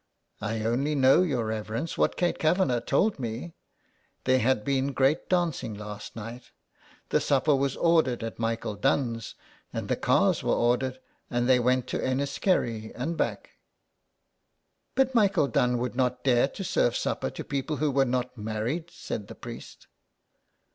" I only know, your reverence, what Kate Kavanagh told me. There had been great dancing last night. The supper was ordered at Michael Dunne's, and the cars were ordered, and they went to Enniskerry and back." ^* But Michael Dunne would not dare to serve supper to people who were not married," said the priest.